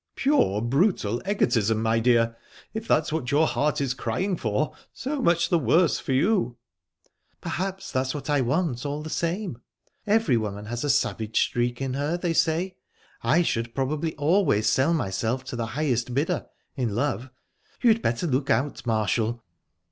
"Pure, brutal egotism, my dear. If that's what your heart is crying for, so much the worse for you." "Perhaps that's what I want, all the same. Every woman has a savage streak in her, they say. I should probably always sell myself to the highest bidder in love...You'd better look out, Marshall."